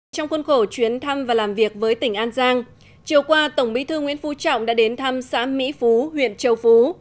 trong khuôn khổ chuyến thăm và làm việc với tỉnh an giang chiều qua tổng bí thư nguyễn phú trọng đã đến thăm xã mỹ phú huyện châu phú